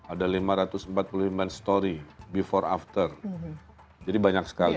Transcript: ada lima ratus empat puluh lima story before after jadi banyak sekali